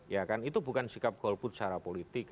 ya kan itu bukan sikap golput secara politik